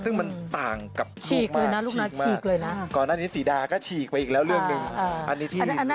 ซึ่งมันต่างกับเฉียบเลยนะลูกน้อยเฉียบเลยน่ะ